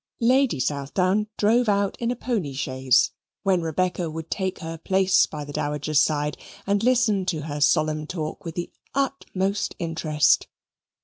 Lady Southdown drove out in a pony chaise, when Rebecca would take her place by the Dowager's side and listen to her solemn talk with the utmost interest.